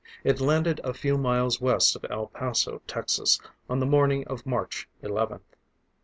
It landed a few miles west of El Paso, Texas, on the morning of March 11th.